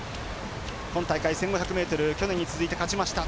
今大会１５００ｍ、去年に続いて勝ちました、